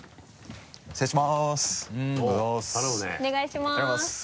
お願いします。